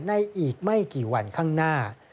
อีกไม่กี่วันข้างหน้า